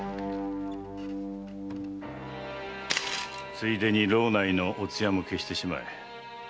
ついでに牢内のおつやも消してしまえ。